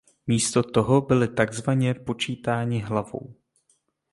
Místo toho byli takzvaně „počítáni hlavou“.